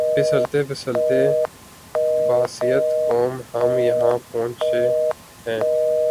پھسلتے پھسلتے بحیثیت قوم ہم یہاں پہنچے ہیں۔